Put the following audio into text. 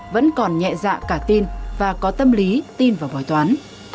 vẫn còn nhẹ dạ cả tin và có tâm lý tin vào bói toán